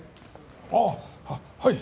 あっはい！